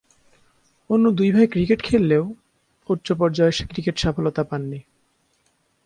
অন্য দুই ভাই ক্রিকেট খেললেও উচ্চ পর্যায়ের ক্রিকেটে সফলতা পাননি।